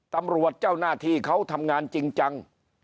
เจ้าหน้าที่เขาทำงานจริงจัง